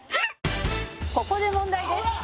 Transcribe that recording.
「ここで問題です」